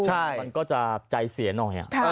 ใช่มันก็จะใจเสียหน่อย